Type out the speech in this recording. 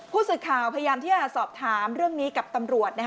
ผู้สื่อข่าวพยายามที่จะสอบถามเรื่องนี้กับตำรวจ